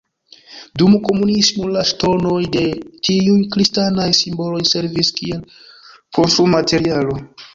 Dum komunismo la ŝtonoj de tiuj kristanaj simboloj servis kiel konstrumaterialo.